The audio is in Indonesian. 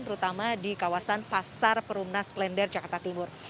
terutama di kawasan pasar perumna sklender jakarta timur